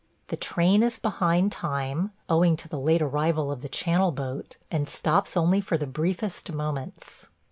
The train is behind time, owing to the late arrival of the Channel boat, and stops only for the briefest moments.